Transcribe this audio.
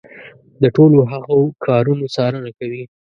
د ټولو هغو کارونو څارنه کوي.